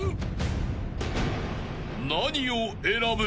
［何を選ぶ？］